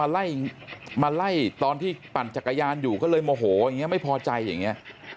ไล่มาไล่ตอนที่ปั่นจักรยานอยู่ก็เลยโมโหอย่างนี้ไม่พอใจอย่างนี้